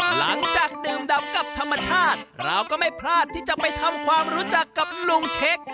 หลังจากดื่มดำกับธรรมชาติเราก็ไม่พลาดที่จะไปทำความรู้จักกับลุงเช็ค